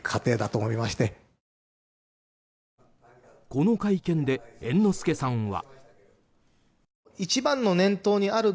この会見で猿之助さんは。